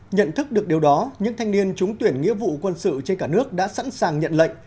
nhận thức được điều đó những thanh niên trúng tuyển nghĩa vụ quân sự trên cả nước đã sẵn sàng nhận lệnh